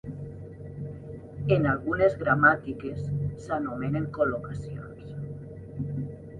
En algunes gramàtiques s'anomenen col·locacions.